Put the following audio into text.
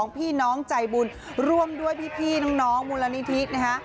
พี่น้องใจบุญร่วมด้วยพี่น้องมูลนิธินะคะ